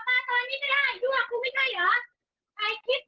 ตอบตาตัวนี้จะได้ดั่วกูไม่ใช่เหรอ